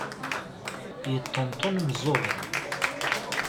Yeṭṭentun umeẓẓeɣ-iw.